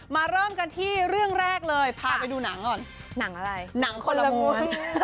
เริ่มกันที่เรื่องแรกเลยพาไปดูหนังก่อนหนังอะไรหนังคนละม้วน